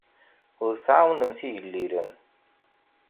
Ur tɛawnemt igellilen.